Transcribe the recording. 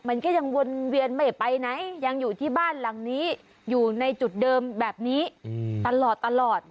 มันก็ยังวนเวียนไม่ไปไหนยังอยู่ที่บ้านหลังนี้อยู่ในจุดเดิมแบบนี้ตลอดตลอด